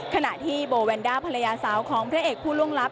ขณะที่โบแวนด้าภรรยาสาวของพระเอกผู้ล่วงลับ